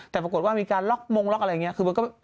แต่ปรากฏว่ามีการล็อกมงล็อกอะไรอย่างนี้